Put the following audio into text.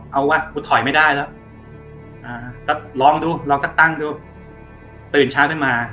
เอาวะกูถอยไม่ได้แล้วก็ลองดูลองสักตั้งดูตื่นเช้าขึ้นมา